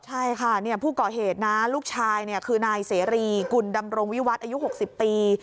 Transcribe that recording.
ใช่ค่ะผู้ก่อเหตุนะลูกชายคือนายเสรีกุลดำรงวิวัฒน์อายุ๖๐ปี